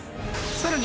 さらに